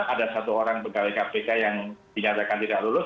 ada satu orang pegawai kpk yang dinyatakan tidak lulus